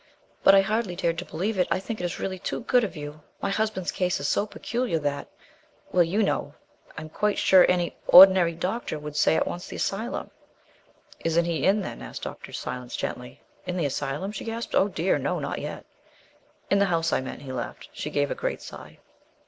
"But I hardly dared to believe it. I think it is really too good of you. My husband's case is so peculiar that well, you know, I am quite sure any ordinary doctor would say at once the asylum " "Isn't he in, then?" asked Dr. Silence gently. "In the asylum?" she gasped. "Oh dear, no not yet!" "In the house, I meant," he laughed. She gave a great sigh.